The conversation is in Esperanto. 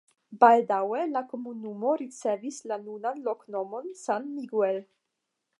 Baldaŭe la komunumo ricevis la nunan loknomon San Miguel.